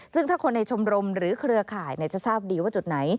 ซึ่งถ้าคนในชมรมหรือเครือข่ายจะทราบดีว่าจุดไหน